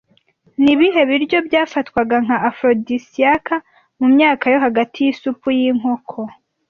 Ni ibihe biryo byafatwaga nka afrodisiac mu myaka yo hagati y'isupu y'inkoko